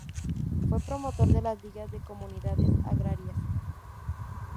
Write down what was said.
Fue promotor de las Ligas de Comunidades Agrarias.